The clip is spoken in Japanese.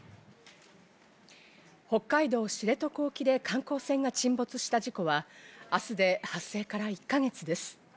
北海道・知床沖で観光船が沈没した事故は、明日で発生から１か月です。